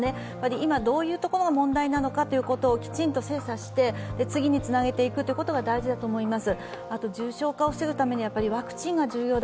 今どういうところが問題なのかをきちんと精査して次につなげていくっていうことが大事だと思います。